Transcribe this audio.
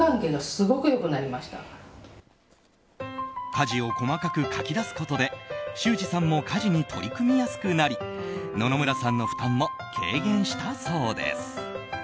家事を細かく書き出すことで修士さんも家事に取り組みやすくなり野々村さんの負担も軽減したそうです。